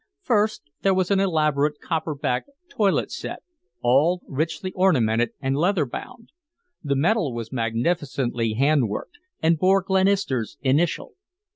First, there was an elaborate, copper backed toilet set, all richly ornamented and leather bound. The metal was magnificently hand worked and bore Glenister's initial.